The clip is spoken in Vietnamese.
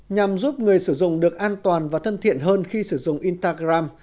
nhằm giúp người sử dụng được an toàn và thân thiện hơn khi sử dụng instagram